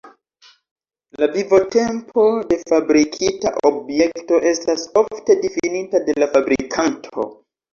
La vivotempo de fabrikita objekto estas ofte difinita de la fabrikanto.